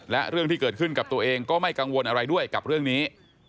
และเรื่องที่เกิดขึ้นกับตัวเองก็ไม่กังวลอะไรด้วยกับเรื่องนี้